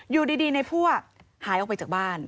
อยู่ดีในพั่วหายออกไปจากบ้าน